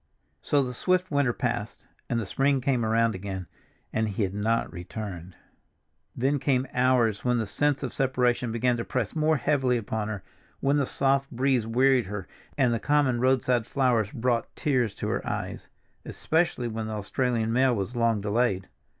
So the swift winter passed and the spring came around again, and he had not returned. Then came hours when the sense of separation began to press more heavily upon her, when the soft breeze wearied her and the common roadside flowers brought tears to her eyes—especially when the Australian mail was long delayed.